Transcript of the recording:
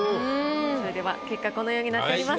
それでは結果このようになっております。